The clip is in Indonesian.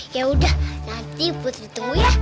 ya udah nanti putri tunggu ya